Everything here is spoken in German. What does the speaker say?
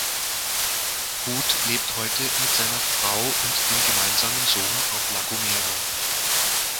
Huth lebt heute mit seiner Frau und dem gemeinsamen Sohn auf La Gomera.